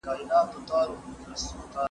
په ټولنه کي پوهه باید د زور له لاري نه وي.